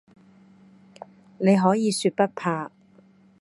你可以說不怕